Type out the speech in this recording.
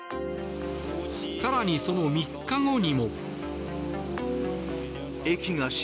更に、その３日後にも。